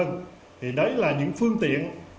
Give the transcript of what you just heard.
thì đấy là những phương tiện